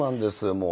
もう。